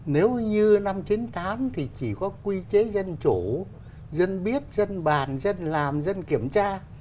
nếu như năm chín mươi tám thì chỉ có quy chế dân chủ dân biết dân bàn dân làm dân kiểm tra